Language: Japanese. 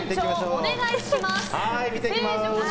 お願いします。